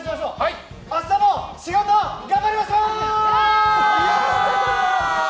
明日も仕事頑張りましょう！